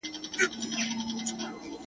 اوږده ورځ کرار کرار پر تېرېدو وه ..